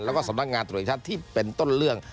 และก็สนักงานตรวจิตที่เป็นต้นเรื่อง